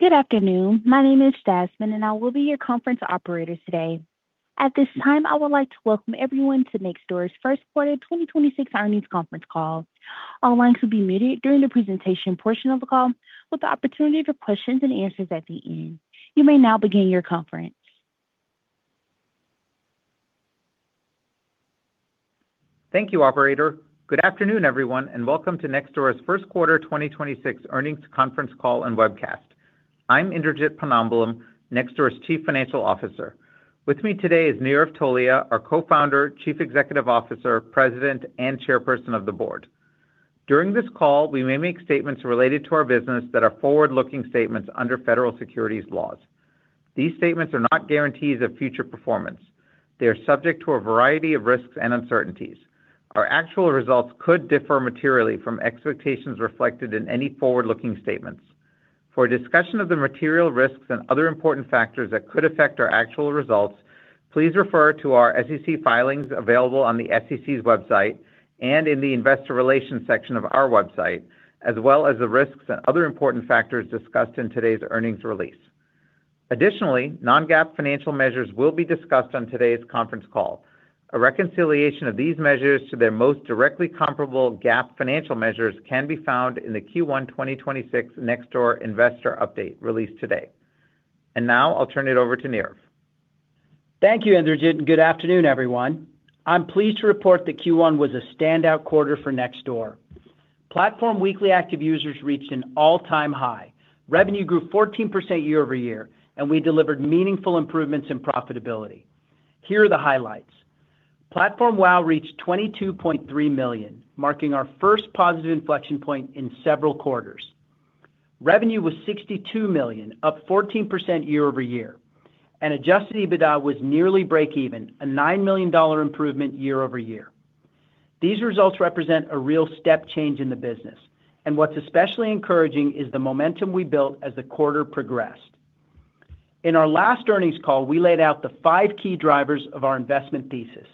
Good afternoon. My name is Jasmine, and I will be your conference operator today. At this time, I would like to welcome everyone to Nextdoor's first quarter 2026 earnings Conference Call. All lines will be muted during the presentation portion of the call with the opportunity for questions and answers at the end. You may now begin your conference. Thank you, operator. Good afternoon, everyone. Welcome to Nextdoor's 1st quarter 2026 earnings conference call and webcast. I'm Indrajit Ponnambalam, Nextdoor's Chief Financial Officer. With me today is Nirav Tolia, our Co-founder, Chief Executive Officer, President, and Chairperson of the Board. During this call, we may make statements related to our business that are forward-looking statements under federal securities laws. These statements are not guarantees of future performance. They are subject to a variety of risks and uncertainties. Our actual results could differ materially from expectations reflected in any forward-looking statements. For a discussion of the material risks and other important factors that could affect our actual results, please refer to our SEC filings available on the SEC's website and in the Investor Relations section of our website, as well as the risks and other important factors discussed in today's earnings release. Additionally, non-GAAP financial measures will be discussed on today's conference call. A reconciliation of these measures to their most directly comparable GAAP financial measures can be found in the Q1 2026 Nextdoor investor update released today. Now I'll turn it over to Nirav. Thank you, Indrajit, and good afternoon, everyone. I'm pleased to report that Q1 was a standout quarter for Nextdoor. Platform weekly active users reached an all-time high. Revenue grew 14% year-over-year, and we delivered meaningful improvements in profitability. Here are the highlights. Platform WAU reached 22.3 million, marking our first positive inflection point in several quarters. Revenue was $62 million, up 14% year-over-year, and adjusted EBITDA was nearly break even, a $9 million improvement year-over-year. These results represent a real step change in the business, and what's especially encouraging is the momentum we built as the quarter progressed. In our last earnings call, we laid out the five key drivers of our investment thesis.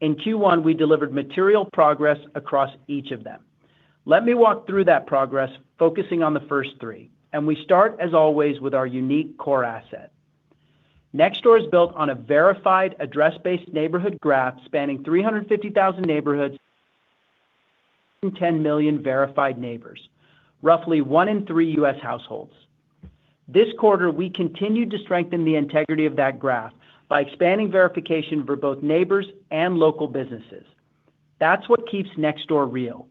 In Q1, we delivered material progress across each of them. Let me walk through that progress, focusing on the first three, and we start, as always, with our unique core asset. Nextdoor is built on a verified address-based neighborhood graph spanning 350,000 neighborhoods and 10 million verified neighbors, roughly one in three U.S. households. This quarter, we continued to strengthen the integrity of that graph by expanding verification for both neighbors and local businesses. That's what keeps Nextdoor real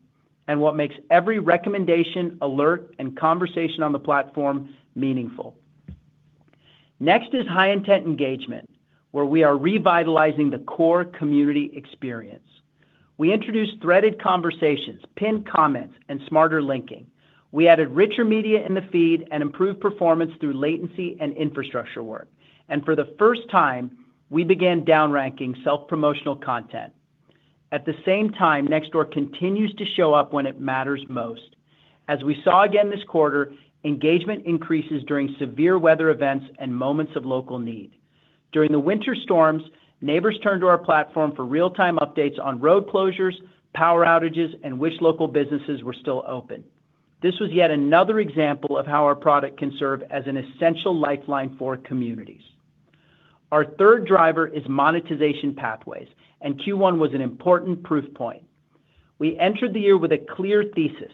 and what makes every recommendation, alert, and conversation on the platform meaningful. Next is high-intent engagement, where we are revitalizing the core community experience. We introduced threaded conversations, pinned comments, and smarter linking. We added richer media in the feed and improved performance through latency and infrastructure work. For the first time, we began down-ranking self-promotional content. At the same time, Nextdoor continues to show up when it matters most. As we saw again this quarter, engagement increases during severe weather events and moments of local need. During the winter storms, neighbors turned to our platform for real-time updates on road closures, power outages, and which local businesses were still open. This was yet another example of how our product can serve as an essential lifeline for communities. Our third driver is monetization pathways, and Q1 was an important proof point. We entered the year with a clear thesis.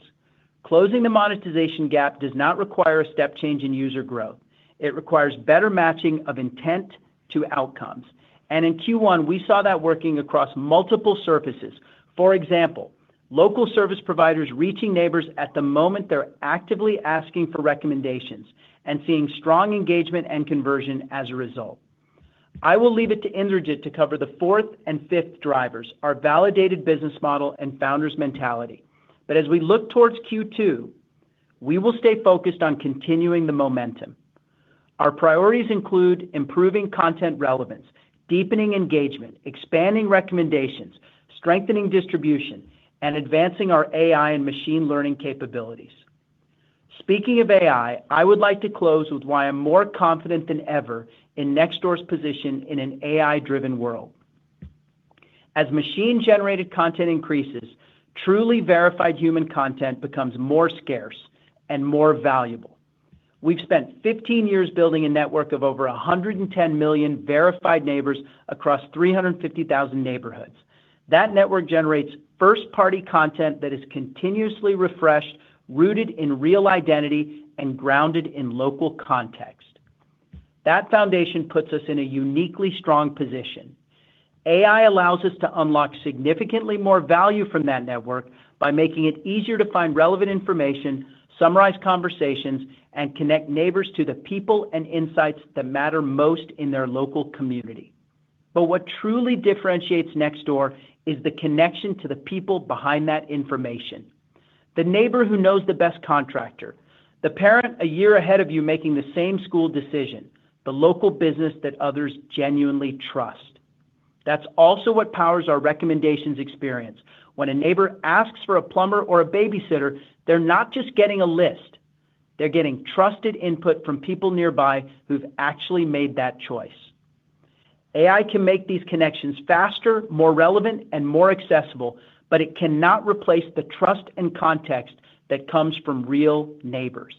Closing the monetization gap does not require a step change in user growth. It requires better matching of intent to outcomes. In Q1, we saw that working across multiple surfaces. For example, local service providers reaching neighbors at the moment they're actively asking for recommendations and seeing strong engagement and conversion as a result. I will leave it to Indrajit to cover the 4th and 5th drivers, our validated business model and founder's mentality. As we look towards Q2, we will stay focused on continuing the momentum. Our priorities include improving content relevance, deepening engagement, expanding recommendations, strengthening distribution, and advancing our AI and machine learning capabilities. Speaking of AI, I would like to close with why I'm more confident than ever in Nextdoor's position in an AI-driven world. As machine-generated content increases, truly verified human content becomes more scarce and more valuable. We've spent 15 years building a network of over 110 million verified neighbors across 350,000 neighborhoods. That network generates first-party content that is continuously refreshed, rooted in real identity, and grounded in local context. That foundation puts us in a uniquely strong position. AI allows us to unlock significantly more value from that network by making it easier to find relevant information, summarize conversations, and connect neighbors to the people and insights that matter most in their local community. What truly differentiates Nextdoor is the connection to the people behind that information. The neighbor who knows the best contractor, the parent a year ahead of you making the same school decision, the local business that others genuinely trust. That's also what powers our recommendations experience. When a neighbor asks for a plumber or a babysitter, they're not just getting a list. They're getting trusted input from people nearby who've actually made that choice. AI can make these connections faster, more relevant, and more accessible, but it cannot replace the trust and context that comes from real neighbors.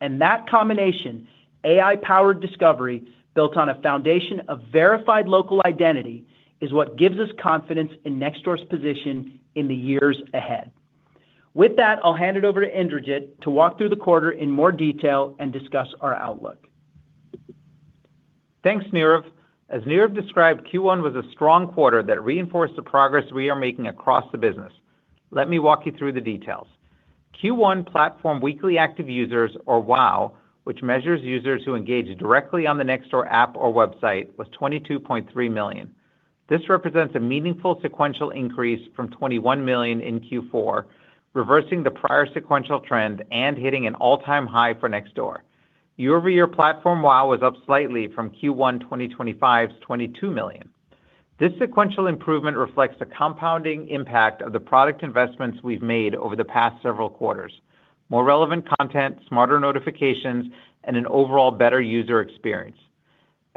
That combination, AI-powered discovery built on a foundation of verified local identity, is what gives us confidence in Nextdoor's position in the years ahead. With that, I'll hand it over to Indrajit to walk through the quarter in more detail and discuss our outlook. Thanks, Nirav. As Nirav described, Q1 was a strong quarter that reinforced the progress we are making across the business. Let me walk you through the details. Q1 platform weekly active users or WAU, which measures users who engage directly on the Nextdoor app or website, was 22.3 million. This represents a meaningful sequential increase from 21 million in Q4, reversing the prior sequential trend and hitting an all-time high for Nextdoor. Year-over-year platform WAU was up slightly from Q1 2025's 22 million. This sequential improvement reflects the compounding impact of the product investments we've made over the past several quarters. More relevant content, smarter notifications, and an overall better user experience.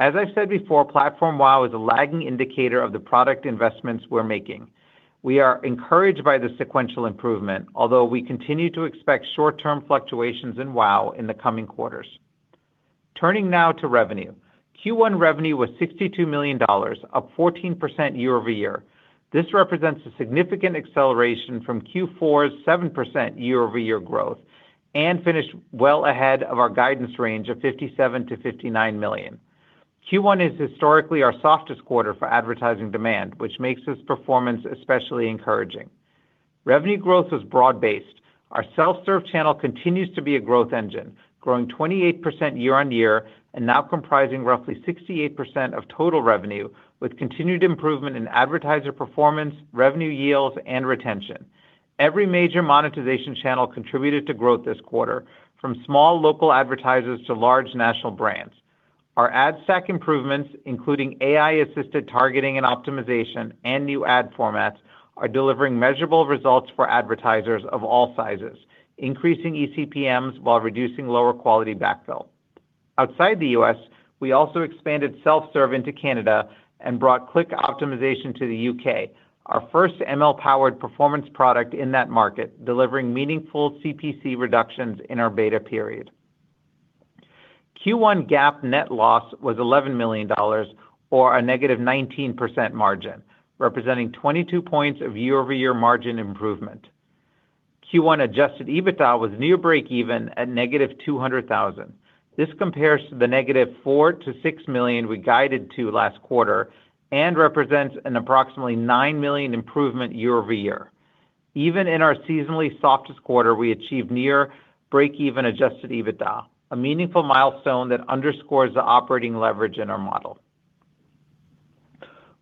As I've said before, platform WAU is a lagging indicator of the product investments we're making. We are encouraged by the sequential improvement, although we continue to expect short-term fluctuations in WAU in the coming quarters. Turning now to revenue. Q1 revenue was $62 million, up 14% year-over-year. This represents a significant acceleration from Q4's 7% year-over-year growth and finished well ahead of our guidance range of $57 million-$59 million. Q1 is historically our softest quarter for advertising demand, which makes this performance especially encouraging. Revenue growth was broad-based. Our self-serve channel continues to be a growth engine, growing 28% year-on-year and now comprising roughly 68% of total revenue, with continued improvement in advertiser performance, revenue yields, and retention. Every major monetization channel contributed to growth this quarter, from small local advertisers to large national brands. Our ad stack improvements, including AI-assisted targeting and optimization and new ad formats, are delivering measurable results for advertisers of all sizes, increasing eCPMs while reducing lower quality backfill. Outside the U.S., we also expanded self-serve into Canada and brought click optimization to the U.K., our first ML-powered performance product in that market, delivering meaningful CPC reductions in our beta period. Q1 GAAP net loss was $11 million or a negative 19% margin, representing 22 points of year-over-year margin improvement. Q1 adjusted EBITDA was near breakeven at negative $200,000. This compares to the negative $4 million-$6 million we guided to last quarter and represents an approximately $9 million improvement year-over-year. Even in our seasonally softest quarter, we achieved near breakeven adjusted EBITDA, a meaningful milestone that underscores the operating leverage in our model.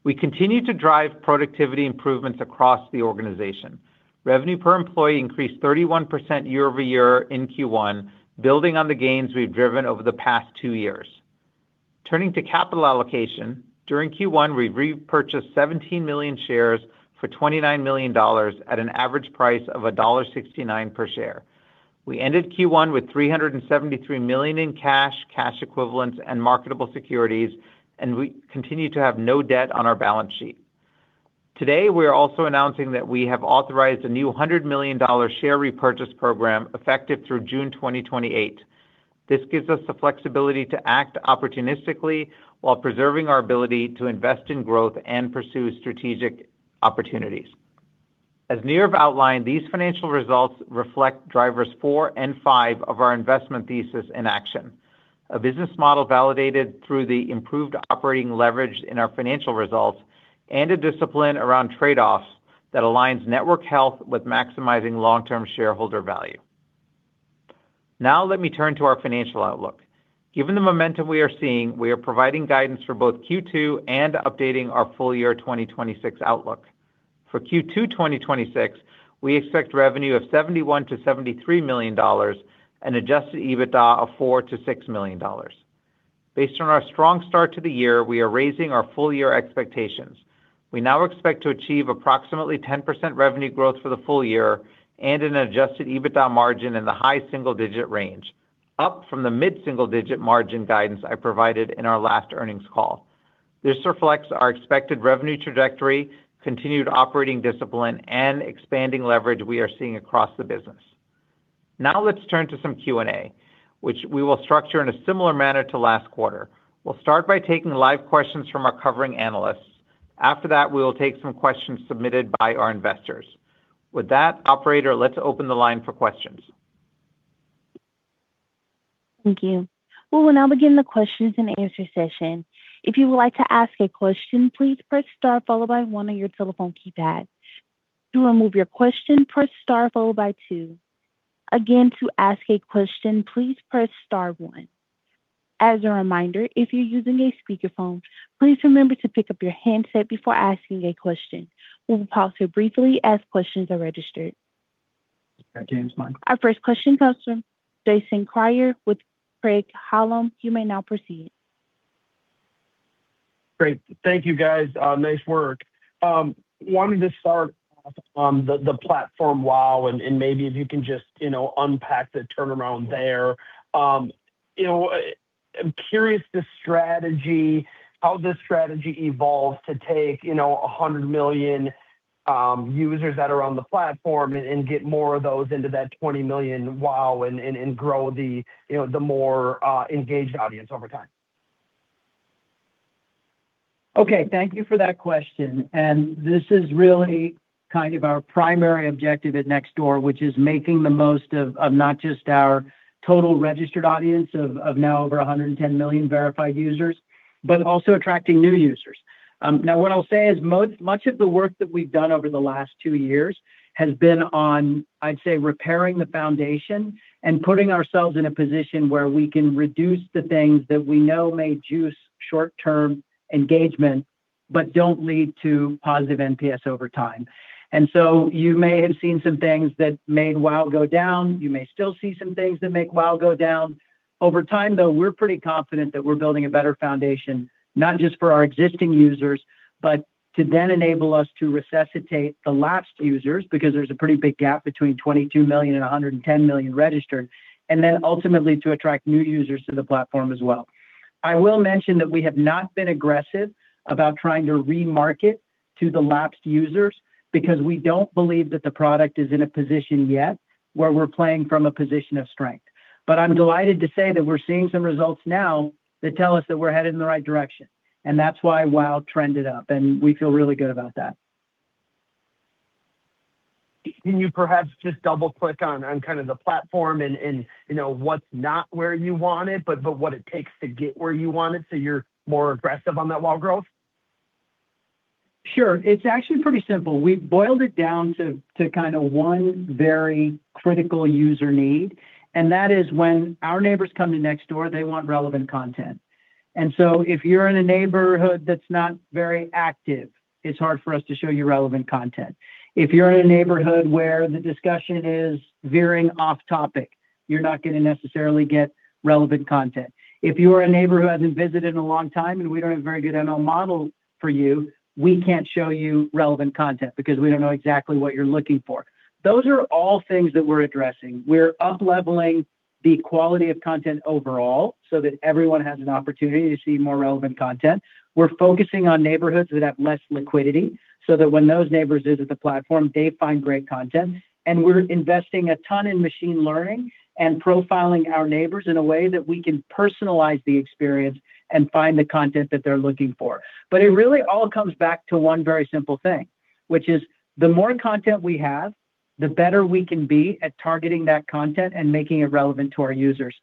We continue to drive productivity improvements across the organization. Revenue per employee increased 31% year-over-year in Q1, building on the gains we've driven over the past two years. Turning to capital allocation, during Q1, we repurchased 17 million shares for $29 million at an average price of $1.69 per share. We ended Q1 with $373 million in cash equivalents, and marketable securities, we continue to have no debt on our balance sheet. Today, we are also announcing that we have authorized a new $100 million share repurchase program effective through June 2028. This gives us the flexibility to act opportunistically while preserving our ability to invest in growth and pursue strategic opportunities. As Nirav outlined, these financial results reflect drivers four and five of our investment thesis in action. A business model validated through the improved operating leverage in our financial results and a discipline around trade-offs that aligns network health with maximizing long-term shareholder value. Let me turn to our financial outlook. Given the momentum we are seeing, we are providing guidance for both Q2 and updating our full year 2026 outlook. For Q2 2026, we expect revenue of $71 million-$73 million and adjusted EBITDA of $4 million-$6 million. Based on our strong start to the year, we are raising our full year expectations. We now expect to achieve approximately 10% revenue growth for the full year and an adjusted EBITDA margin in the high single-digit range, up from the mid-single-digit margin guidance I provided in our last earnings call. This reflects our expected revenue trajectory, continued operating discipline, and expanding leverage we are seeing across the business. Let's turn to some Q&A, which we will structure in a similar manner to last quarter. We'll start by taking live questions from our covering analysts. After that, we will take some questions submitted by our investors. With that, operator, let's open the line for questions. Thank you. We will now begin the questions and answer session. If you would like to ask a question, please press star followed by one on your telephone keypad. To remove your question, Press Star followed by two. Again, to ask a question, please Press Star one. As a reminder, if you're using a speakerphone, please remember to pick up your handset before asking a question. We will pause here briefly as questions are registered. Yeah, Jamesmichael Our first question comes from Jason Kreyer with Craig-Hallum. Great. Thank you, guys. Nice work. Wanted to start off on the platform WAU, and maybe if you can just, you know, unpack the turnaround there. You know, I'm curious this strategy, how this strategy evolves to take, you know, 100 million users that are on the platform and get more of those into that 20 million WAU and grow the, you know, the more engaged audience over time. Thank you for that question. This is really kind of our primary objective at Nextdoor, which is making the most of not just our total registered audience of now over 110 million verified users, but also attracting new users. Now what I'll say is much of the work that we've done over the last two years has been on, I'd say, repairing the foundation and putting ourselves in a position where we can reduce the things that we know may juice short-term engagement, but don't lead to positive NPS over time. You may have seen some things that made WAU go down. You may still see some things that make WAU go down. Over time, though, we're pretty confident that we're building a better foundation, not just for our existing users, but to then enable us to resuscitate the lapsed users because there's a pretty big gap between 22 million and 110 million registered, and then ultimately to attract new users to the platform as well. I will mention that we have not been aggressive about trying to remarket to the lapsed users because we don't believe that the product is in a position yet where we're playing from a position of strength. I'm delighted to say that we're seeing some results now that tell us that we're headed in the right direction. That's why WAU trended up, and we feel really good about that. Can you perhaps just double-click on kind of the platform and, you know, what's not where you want it, but what it takes to get where you want it so you're more aggressive on that WAU growth? Sure. It's actually pretty simple. We've boiled it down to kinda one very critical user need, and that is when our neighbors come to Nextdoor, they want relevant content. If you're in a neighborhood that's not very active, it's hard for us to show you relevant content. If you're in a neighborhood where the discussion is veering off topic, you're not gonna necessarily get relevant content. If you are a neighbor who hasn't visited in a long time and we don't have a very good ML model for you, we can't show you relevant content because we don't know exactly what you're looking for. Those are all things that we're addressing. We're up-leveling the quality of content overall so that everyone has an opportunity to see more relevant content. We're focusing on neighborhoods that have less liquidity so that when those neighbors visit the platform, they find great content. We're investing a ton in machine learning and profiling our neighbors in a way that we can personalize the experience and find the content that they're looking for. It really all comes back to one very simple thing, which is the more content we have, the better we can be at targeting that content and making it relevant to our users.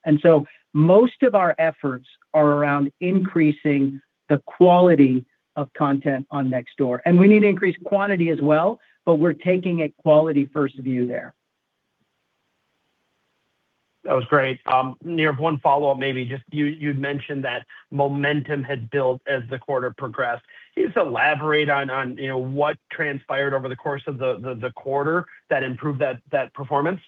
Most of our efforts are around increasing the quality of content on Nextdoor. We need to increase quantity as well, but we're taking a quality first view there. That was great. Nirav, one follow-up maybe. Just you'd mentioned that momentum had built as the quarter progressed. Can you just elaborate on, you know, what transpired over the course of the quarter that improved that performance?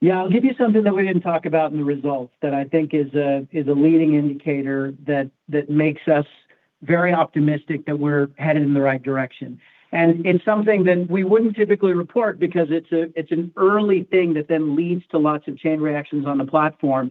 Yeah. I'll give you something that we didn't talk about in the results that I think is a leading indicator that makes us very optimistic that we're headed in the right direction, and it's something that we wouldn't typically report because it's an early thing that then leads to lots of chain reactions on the platform.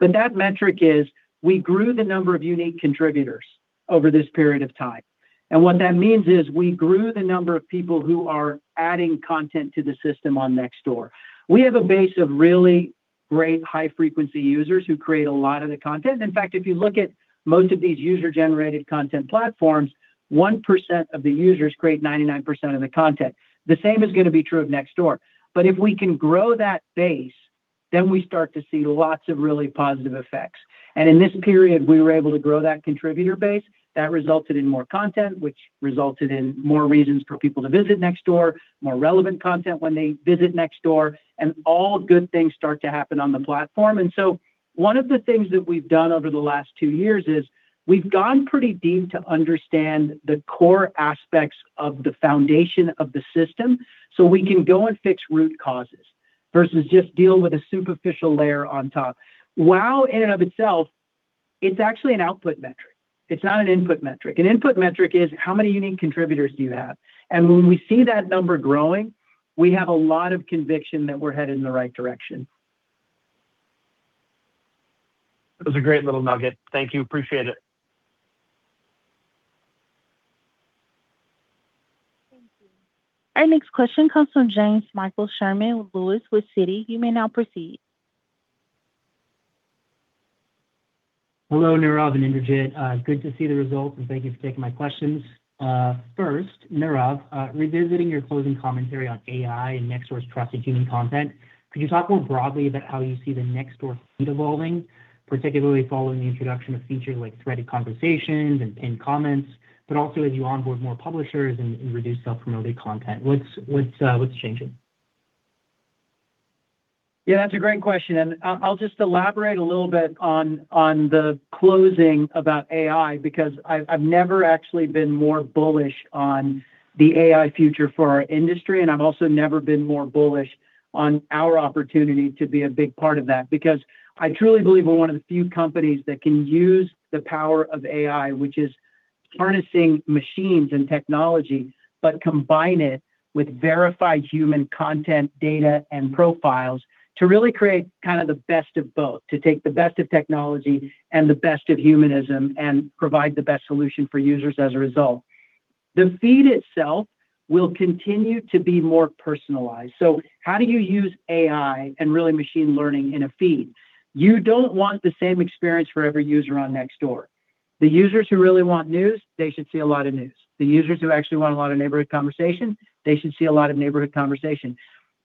That metric is we grew the number of unique contributors over this period of time. What that means is we grew the number of people who are adding content to the system on Nextdoor. We have a base of really great high-frequency users who create a lot of the content. In fact, if you look at most of these user-generated content platforms, 1% of the users create 99% of the content. The same is gonna be true of Nextdoor. If we can grow that base, then we start to see lots of really positive effects. In this period, we were able to grow that contributor base. That resulted in more content, which resulted in more reasons for people to visit Nextdoor, more relevant content when they visit Nextdoor, and all good things start to happen on the platform. One of the things that we've done over the last two years is we've gone pretty deep to understand the core aspects of the foundation of the system, so we can go and fix root causes versus just deal with a superficial layer on top. Wow in and of itself, it's actually an output metric. It's not an input metric. An input metric is how many unique contributors do you have? When we see that number growing, we have a lot of conviction that we're headed in the right direction. That was a great little nugget. Thank you. Appreciate it. Thank you. Our next question comes from Jamesmichael Sherman-Lewis with Citi. You may now proceed. Hello, Nirav and Indrajit. Good to see the results. Thank you for taking my questions. First, Nirav, revisiting your closing commentary on AI and Nextdoor's trusted human content, could you talk more broadly about how you see the Nextdoor feed evolving, particularly following the introduction of features like threaded conversations and pinned comments, but also as you onboard more publishers and reduce self-promoted content? What's changing? Yeah, that's a great question. I'll just elaborate a little bit on the closing about AI because I've never actually been more bullish on the AI future for our industry, and I've also never been more bullish on our opportunity to be a big part of that because I truly believe we're one of the few companies that can use the power of AI, which is harnessing machines and technology, but combine it with verified human content, data, and profiles to really create kind of the best of both, to take the best of technology and the best of humanism and provide the best solution for users as a result. The feed itself will continue to be more personalized. How do you use AI and really machine learning in a feed? You don't want the same experience for every user on Nextdoor. The users who really want news, they should see a lot of news. The users who actually want a lot of neighborhood conversation, they should see a lot of neighborhood conversation.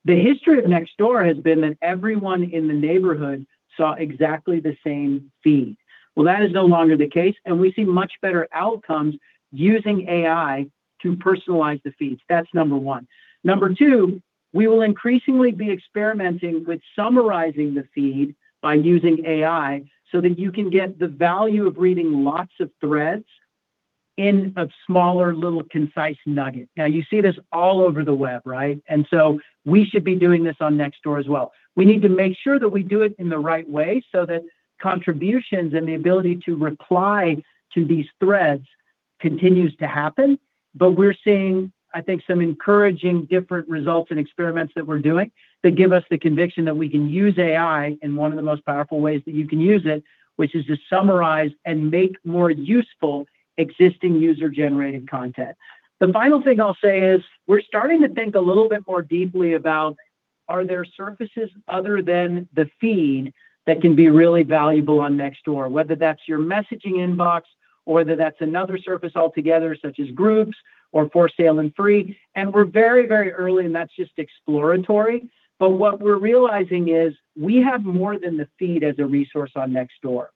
The history of Nextdoor has been that everyone in the neighborhood saw exactly the same feed. Well, that is no longer the case, and we see much better outcomes using AI to personalize the feeds. That's number one. Number two, we will increasingly be experimenting with summarizing the feed by using AI so that you can get the value of reading lots of threads in a smaller, little concise nugget. Now you see this all over the web, right? We should be doing this on Nextdoor as well. We need to make sure that we do it in the right way so that contributions and the ability to reply to these threads continues to happen. We're seeing, I think, some encouraging different results and experiments that we're doing that give us the conviction that we can use AI in one of the most powerful ways that you can use it, which is to summarize and make more useful existing user-generated content. The final thing I'll say is we're starting to think a little bit more deeply about are there surfaces other than the feed that can be really valuable on Nextdoor, whether that's your messaging inbox or whether that's another surface altogether, such as groups or for sale and free. We're very, very early, and that's just exploratory. What we're realizing is we have more than the feed as a resource on Nextdoor.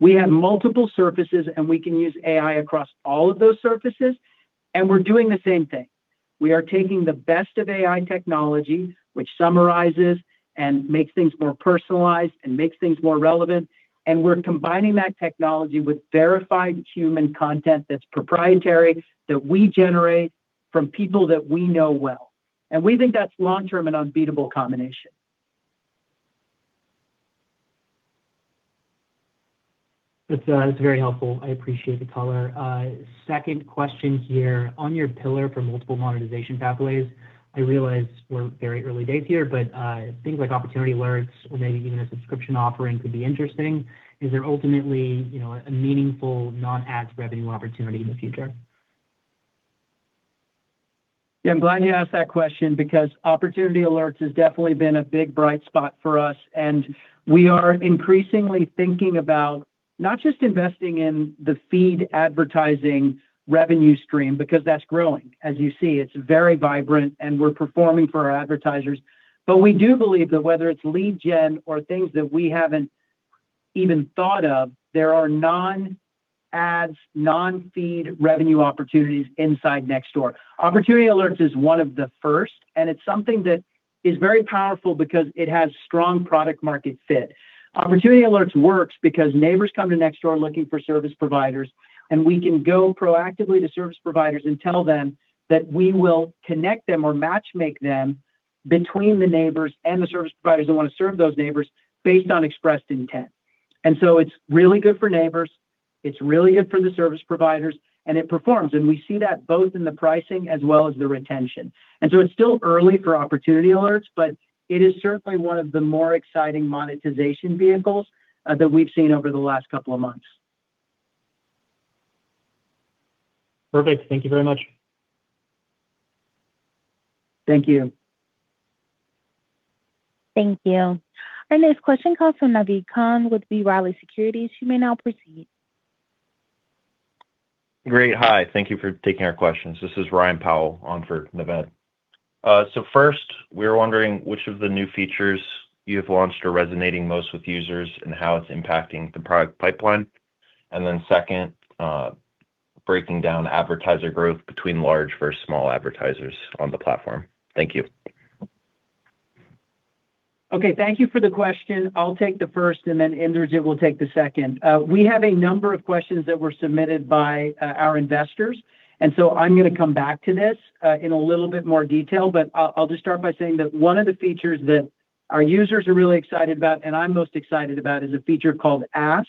We have multiple surfaces, and we can use AI across all of those surfaces, and we're doing the same thing. We are taking the best of AI technology, which summarizes and makes things more personalized and makes things more relevant, and we're combining that technology with verified human content that's proprietary, that we generate from people that we know well. We think that's long-term an unbeatable combination. That's very helpful. I appreciate the color. Second question here. On your pillar for multiple monetization pathways, I realize we're very early days here, but things like Opportunity Alerts or maybe even a subscription offering could be interesting. Is there ultimately, you know, a meaningful non-ad revenue opportunity in the future? Yeah, I'm glad you asked that question because Opportunity Alerts has definitely been a big bright spot for us, and we are increasingly thinking about not just investing in the feed advertising revenue stream because that's growing. As you see, it's very vibrant, and we're performing for our advertisers. We do believe that whether it's lead gen or things that we haven't even thought of, there are non-ads, non-feed revenue opportunities inside Nextdoor. Opportunity Alerts is one of the first, and it's something that is very powerful because it has strong product market fit. Opportunity Alerts works because neighbors come to Nextdoor looking for service providers, and we can go proactively to service providers and tell them that we will connect them or match-make them between the neighbors and the service providers that want to serve those neighbors based on expressed intent. It's really good for neighbors, it's really good for the service providers, and it performs. We see that both in the pricing as well as the retention. It's still early for Opportunity Alerts, but it is certainly one of the more exciting monetization vehicles that we've seen over the last couple of months. Perfect. Thank you very much. Thank you. Thank you. Our next question comes from Naved Khan with B. Riley Securities. You may now proceed. Great. Hi. Thank you for taking our questions. This is Ryan Powell on for Naved Khan. First, we were wondering which of the new features you have launched are resonating most with users and how it's impacting the product pipeline. Second, breaking down advertiser growth between large versus small advertisers on the platform. Thank you. Okay. Thank you for the question. I'll take the first, and then Indrajit will take the second. We have a number of questions that were submitted by our investors. I'm gonna come back to this in a little bit more detail. I'll just start by saying that one of the features that our users are really excited about and I'm most excited about is a feature called Ask,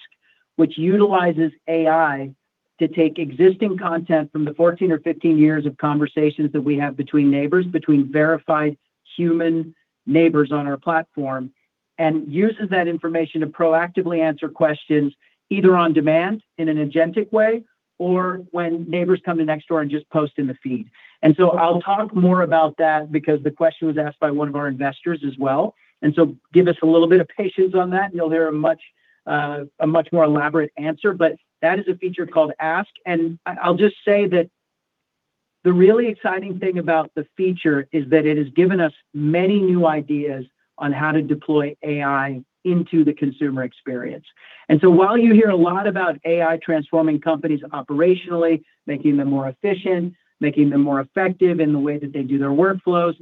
which utilizes AI to take existing content from the 14 or 15 years of conversations that we have between neighbors, between verified human neighbors on our platform, and uses that information to proactively answer questions either on demand in an agentic way or when neighbors come to Nextdoor and just post in the feed. I'll talk more about that because the question was asked by one of our investors as well. Give us a little bit of patience on that. You'll hear a much more elaborate answer. That is a feature called Ask, and I'll just say that the really exciting thing about the feature is that it has given us many new ideas on how to deploy AI into the consumer experience. While you hear a lot about AI transforming companies operationally, making them more efficient, making them more effective in the way that they do their workflows,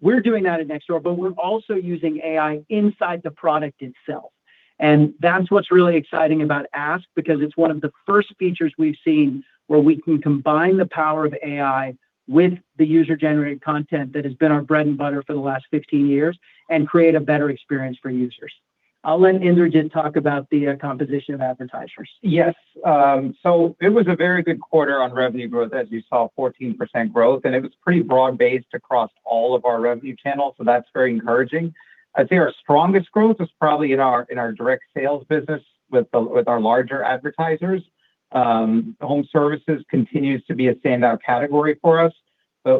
we're doing that at Nextdoor, but we're also using AI inside the product itself. That's what's really exciting about Ask, because it's one of the first features we've seen where we can combine the power of AI with the user-generated content that has been our bread and butter for the last 15 years and create a better experience for users. I'll let Indrajit talk about the composition of advertisers. Yes. It was a very good quarter on revenue growth, as you saw, 14% growth, and it was pretty broad-based across all of our revenue channels, that's very encouraging. I'd say our strongest growth was probably in our direct sales business with our larger advertisers. Home services continues to be a standout category for us,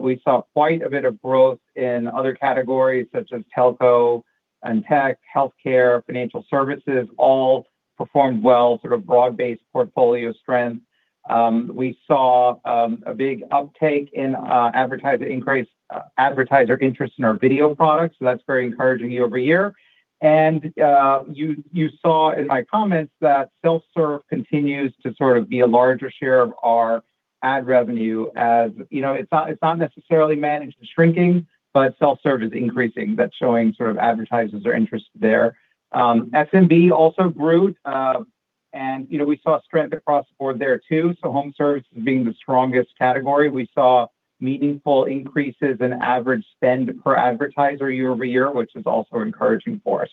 we saw quite a bit of growth in other categories such as telco and tech, healthcare, financial services, all performed well, sort of broad-based portfolio strength. We saw a big uptake in increased advertiser interest in our video products, that's very encouraging year-over-year. You saw in my comments that self-serve continues to sort of be a larger share of our ad revenue as you know, it's not necessarily managed shrinking, but self-serve is increasing. That's showing sort of advertisers are interested there. SMB also grew. You know, we saw strength across the board there too, so home services being the strongest category. We saw meaningful increases in average spend per advertiser year-over-year, which is also encouraging for us.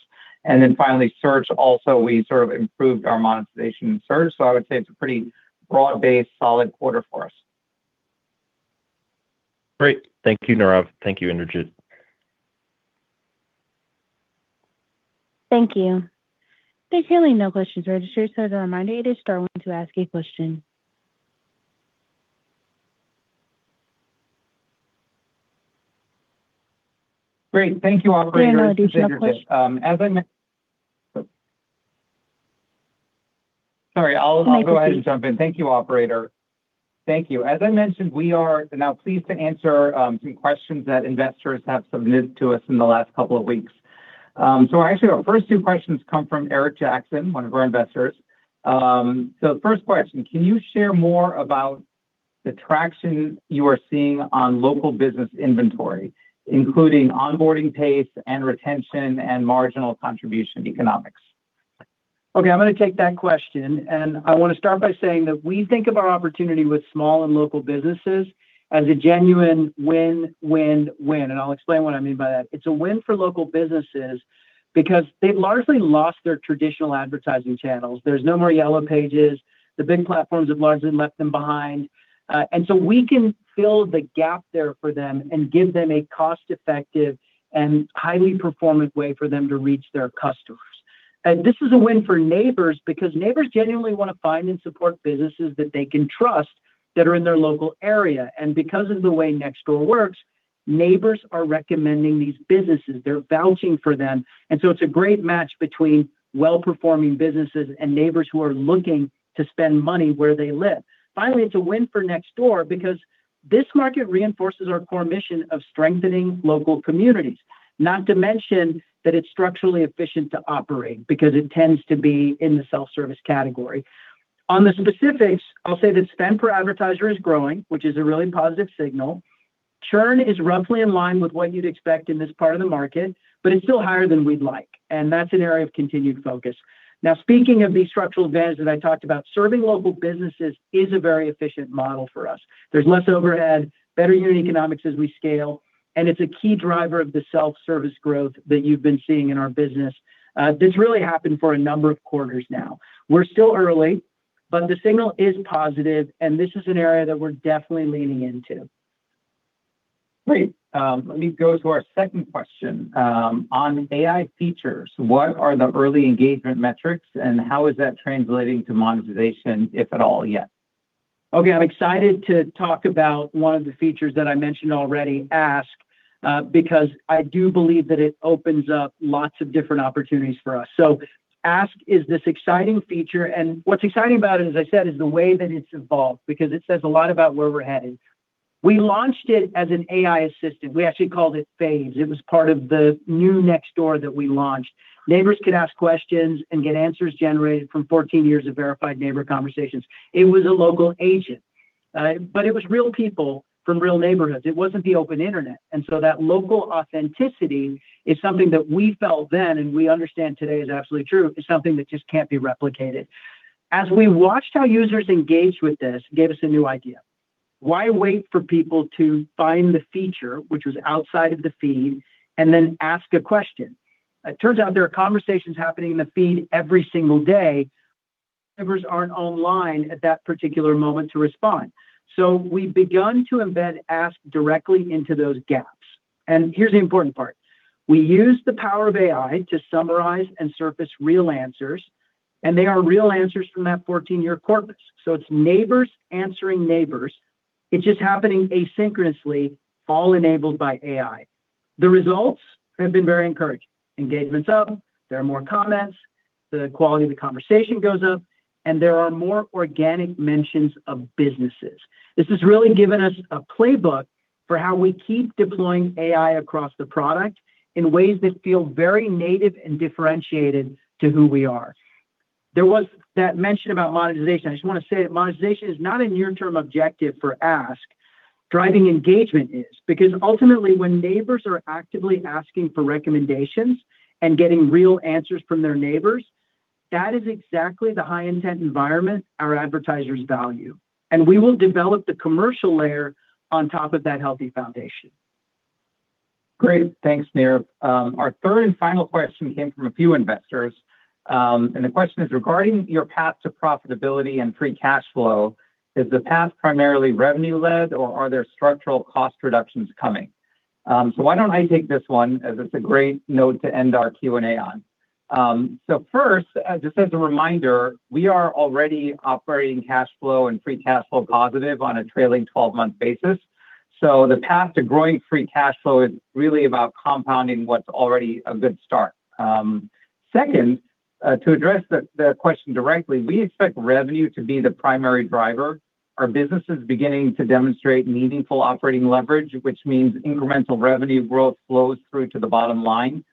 Finally, search also, we sort of improved our monetization in search. I would say it's a pretty broad-based solid quarter for us. Great. Thank you, Nirav. Thank you, Indrajit. Thank you. There currently no questions registered. As a reminder, you may start wanting to ask a question. Great. Thank you, operator. Great. Now do you have a question? Sorry, I'll go ahead and jump in. No, it's okay. Thank you, operator. Thank you. As I mentioned, we are now pleased to answer some questions that investors have submitted to us in the last two weeks. Actually our first two questions come from Eric Jackson, one of our investors. The first question, can you share more about the traction you are seeing on local business inventory, including onboarding pace and retention and marginal contribution economics? Okay, I'm gonna take that question. I want to start by saying that we think of our opportunity with small and local businesses as a genuine win-win-win. I'll explain what I mean by that. It's a win for local businesses because they've largely lost their traditional advertising channels. There's no more Yellow Pages. The big platforms have largely left them behind. We can fill the gap there for them and give them a cost-effective and highly performant way for them to reach their customers. This is a win for neighbors because neighbors genuinely want to find and support businesses that they can trust that are in their local area. Because of the way Nextdoor works, neighbors are recommending these businesses. They're vouching for them. It's a great match between well-performing businesses and neighbors who are looking to spend money where they live. Finally, it's a win for Nextdoor because this market reinforces our core mission of strengthening local communities. Not to mention that it's structurally efficient to operate because it tends to be in the self-service category. On the specifics, I'll say that spend per advertiser is growing, which is a really positive signal. Churn is roughly in line with what you'd expect in this part of the market, but it's still higher than we'd like, and that's an area of continued focus. Now, speaking of these structural advantages I talked about, serving local businesses is a very efficient model for us. There's less overhead, better unit economics as we scale, and it's a key driver of the self-service growth that you've been seeing in our business. That's really happened for a number of quarters now. We're still early, but the signal is positive, and this is an area that we're definitely leaning into. Great. Let me go to our second question. On AI features, what are the early engagement metrics and how is that translating to monetization, if at all, yet? Okay. I'm excited to talk about one of the features that I mentioned already, Ask, because I do believe that it opens up lots of different opportunities for us. Ask is this exciting feature, and what's exciting about it, as I said, is the way that it's evolved, because it says a lot about where we're headed. We launched it as an AI assistant. We actually called it Phase. It was part of the new Nextdoor that we launched. Neighbors could ask questions and get answers generated from 14 years of verified neighbor conversations. It was a local agent. It was real people from real neighborhoods. It wasn't the open internet. That local authenticity is something that we felt then, and we understand today is absolutely true, is something that just can't be replicated. As we watched how users engaged with this, it gave us a new idea. Why wait for people to find the feature, which was outside of the feed, and then ask a question? It turns out there are conversations happening in the feed every single day, neighbors aren't online at that particular moment to respond. We've begun to embed Ask directly into those gaps. Here's the important part: We use the power of AI to summarize and surface real answers, and they are real answers from that 14-year corpus. It's neighbors answering neighbors. It's just happening asynchronously, all enabled by AI. The results have been very encouraging. Engagement's up. There are more comments. The quality of the conversation goes up. There are more organic mentions of businesses. This has really given us a playbook for how we keep deploying AI across the product in ways that feel very native and differentiated to who we are. There was that mention about monetization. I just wanna say that monetization is not a near-term objective for Ask, driving engagement is. Ultimately, when neighbors are actively asking for recommendations and getting real answers from their neighbors, that is exactly the high intent environment our advertisers value. We will develop the commercial layer on top of that healthy foundation. Great. Thanks, Nir. Our third and final question came from a few investors. The question is regarding your path to profitability and free cash flow, is the path primarily revenue-led, or are there structural cost reductions coming? Why don't I take this one as it's a great note to end our Q&A on. First, just as a reminder, we are already operating cash flow and free cash flow positive on a trailing 12-month basis. The path to growing free cash flow is really about compounding what's already a good start. Second, to address the question directly, we expect revenue to be the primary driver. Our business is beginning to demonstrate meaningful operating leverage, which means incremental revenue growth flows through to the bottom line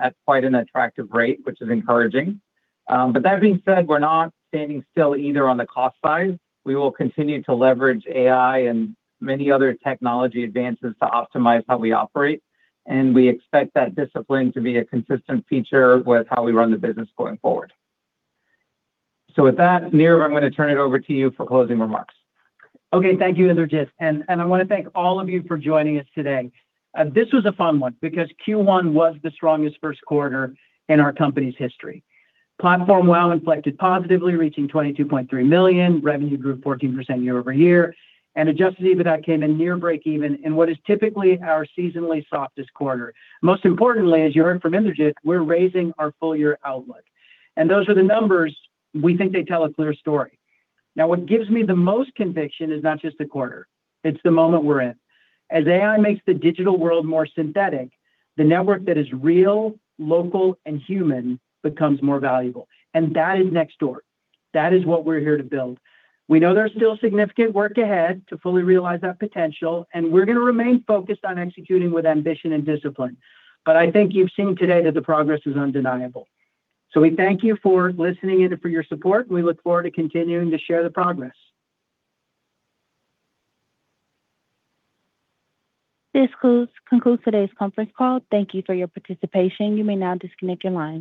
at quite an attractive rate, which is encouraging. That being said, we're not standing still either on the cost side. We will continue to leverage AI and many other technology advances to optimize how we operate, and we expect that discipline to be a consistent feature with how we run the business going forward. With that, Nir, I'm gonna turn it over to you for closing remarks. Okay. Thank you, Indrajit. I wanna thank all of you for joining us today. This was a fun one because Q1 was the strongest first quarter in our company's history. Platform WAU inflected positively, reaching 22.3 million. Revenue grew 14% year-over-year. Adjusted EBITDA came in near breakeven in what is typically our seasonally softest quarter. Most importantly, as you heard from Indrajit, we're raising our full-year outlook. Those are the numbers, we think they tell a clear story. Now, what gives me the most conviction is not just the quarter, it's the moment we're in. As AI makes the digital world more synthetic, the network that is real, local, and human becomes more valuable, and that is Nextdoor. That is what we're here to build. We know there's still significant work ahead to fully realize that potential, we're gonna remain focused on executing with ambition and discipline. I think you've seen today that the progress is undeniable. We thank you for listening and for your support, we look forward to continuing to share the progress. This concludes today's conference call. Thank you for your participation. You may now disconnect your line.